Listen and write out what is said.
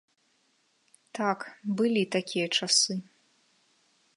Так, былі такія часы.